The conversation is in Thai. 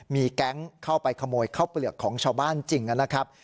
มีแก๊งเข้าไปขโมยข้าวเปลือกของชาวบ้านจริงนะครับ